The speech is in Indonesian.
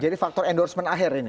jadi faktor endorsement akhir ini